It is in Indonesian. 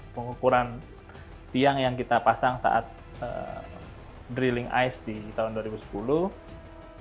pengukuran tiang yang kita pasang saat drilling ice di tahun dua ribu sepuluh